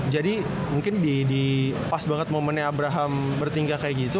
jadi mungkin di pas banget momennya abraham bertingkah kayak gitu